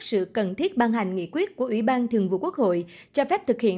sự cần thiết ban hành nghị quyết của ủy ban thường vụ quốc hội cho phép thực hiện